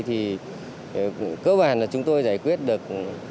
thì cơ bản là chúng tôi giải quyết được